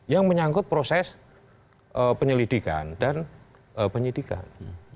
yang menyangkut proses penyelidikan dan penyidikan